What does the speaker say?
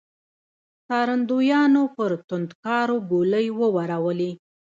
څارندويانو پر توندکارو ګولۍ وورولې.